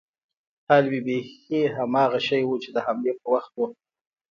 حال مې بيخي هماغه شى و چې د حملې پر وخت و.